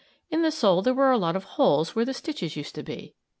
In the sole were a lot of holes where the stitches used to be.